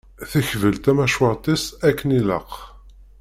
Tekbel tamacwart-is akken ilaq.